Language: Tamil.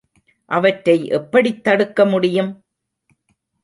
அவற்றை எப்படித் தடுக்க முடியும்?